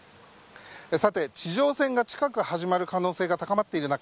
地上戦が近く始まる可能性が高まっている中